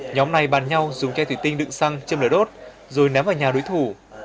nhóm này bàn nhau dùng cây thủy tinh đựng xăng châm lửa đốt rồi ném vào nhà đối thủ